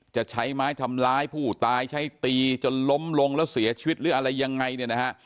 จะใช้ไม้ทำร้ายผู้ตายใช้ตีจนล้มลงแล้วเสียชีวิตหรืออะไรยังไงเนี่ยนะฮะ